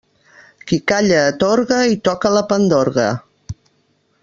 Qui calla atorga i toca la pandorga.